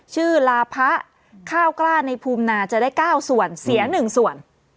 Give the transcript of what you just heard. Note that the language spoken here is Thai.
ลาพะข้าวกล้าในภูมินาจะได้๙ส่วนเสีย๑ส่วน